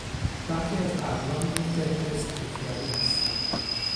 برخی از اقلام این فهرست تکراری هستند.